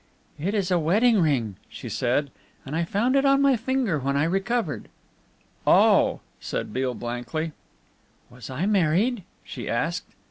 "It is a wedding ring," she said, "and I found it on my finger when I recovered." "Oh!" said Beale blankly. "Was I married?" she asked.